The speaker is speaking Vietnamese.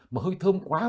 mà hơi thơm quá